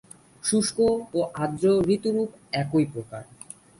শুষ্ক ও আর্দ্র-ঋতুরূপ একই প্রকার।